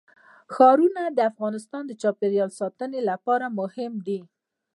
ښارونه د افغانستان د چاپیریال ساتنې لپاره مهم دي.